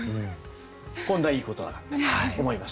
こんないいことなかったと思います。